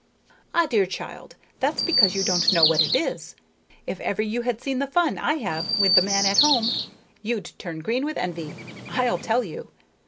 "Ah, dear child, that's because you don't know what it is. If ever you had seen the fun I have with the man at home, you'd turn green with envy. I'll tell you.